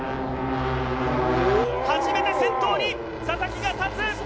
初めて先頭に、佐々木が立つ。